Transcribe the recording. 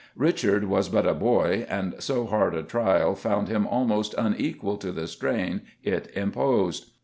Richard was but a boy, and so hard a trial found him almost unequal to the strain it imposed.